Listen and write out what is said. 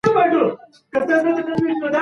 تېر کال هغوی د بشري حقوقو تړون لاسليک کړ.